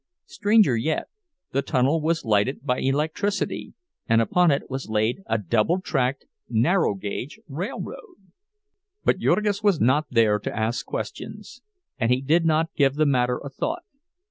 Stranger yet, the tunnel was lighted by electricity, and upon it was laid a double tracked, narrow gauge railroad! But Jurgis was not there to ask questions, and he did not give the matter a thought.